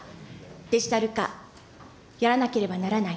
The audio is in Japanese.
デジタル化、やらなければならない。